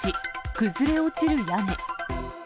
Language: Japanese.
崩れ落ちる屋根。